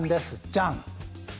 ジャン！